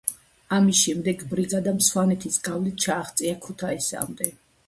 ამის შემდეგ ბრიგადამ სვანეთის გავლით ჩააღწია ქუთაისამდე.